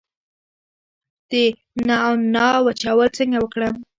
د نعناع وچول څنګه وکړم؟